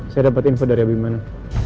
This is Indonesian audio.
saya dapat info dari abimana